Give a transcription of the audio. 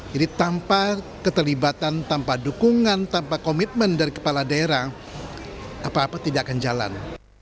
jadi tanpa keterlibatan tanpa dukungan tanpa komitmen dari kepala daerah apa apa tidak akan jalan